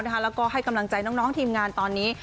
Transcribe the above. แล้วก็ให้กำลังใจน้องทีมงานตอนนี้